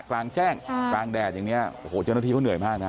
กลางแจ้งกลางแดดอย่างนี้โอ้โหเจ้าหน้าที่เขาเหนื่อยมากนะ